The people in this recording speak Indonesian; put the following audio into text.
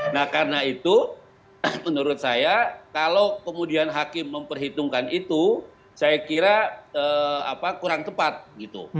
nah karena itu menurut saya kalau kemudian hakim memperhitungkan itu saya kira kurang tepat gitu